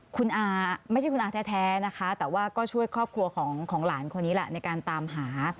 คุณอาไม่ใช่คุณอาแท้นะคะแต่ว่าก็ช่วยครอบครัวของหลานคนนี้แหละในการตามหา